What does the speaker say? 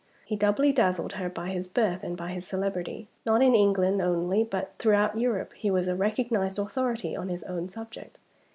He doubly dazzled her by his birth and by his celebrity. Not in England only, but throughout Europe, he was a recognized authority on his own subject.